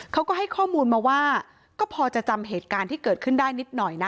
เขาก็ให้ข้อมูลมาว่าก็พอจะจำเหตุการณ์ที่เกิดขึ้นได้นิดหน่อยนะ